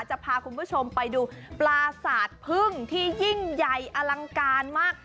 จะพาคุณผู้ชมไปดูปลาสาดพึ่งที่ยิ่งใหญ่อลังการมาก